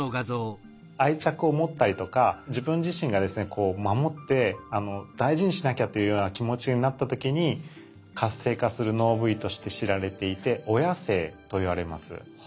愛着を持ったりとか自分自身がですね守って大事にしなきゃというような気持ちになった時に活性化する脳部位として知られていて「親性」といわれます。